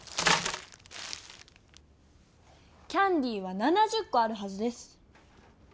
キャンディーは７０コあるはずです。